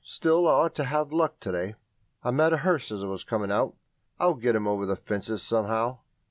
Still, I ought to have luck to day. I met a hearse as I was coming out. I'll get him over the fences, somehow."